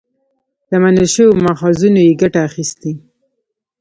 له منل شويو ماخذونو يې ګټه اخستې